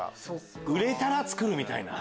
売れたら作るみたいな。